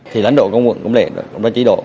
thì lãnh đạo công vận cũng để cũng có chí độ